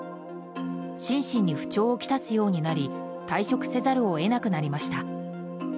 心身に不調をきたすようになり退職せざるを得なくなりました。